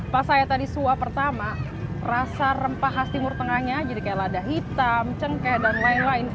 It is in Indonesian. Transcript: pas saya tadi suap pertama rasa rempah khas timur tengahnya jadi kayak lada hitam cengkeh dan lain lain